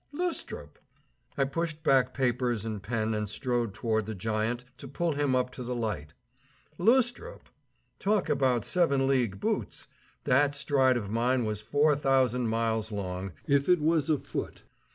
"Lustrup!" I pushed back papers and pen and strode toward the giant to pull him up to the light. Lustrup! Talk about seven league boots! that stride of mine was four thousand miles long, if it was a foot.